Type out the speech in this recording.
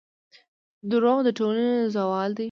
دروغ د ټولنې زوال دی.